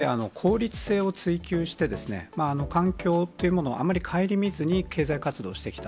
これまで効率性を追求して、環境というものをあまり顧みずに経済活動をしてきた。